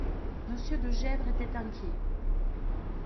Monsieur de Gesvres était inquiet.